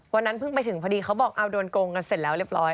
เพิ่งไปถึงพอดีเขาบอกเอาโดนโกงกันเสร็จแล้วเรียบร้อย